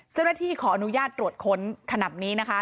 เจ้าหน้าที่ขออนุญาตตรวจค้นขนาดนี้นะคะ